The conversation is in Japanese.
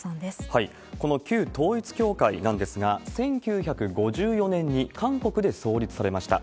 この旧統一教会なんですが、１９５４年に韓国で創立されました。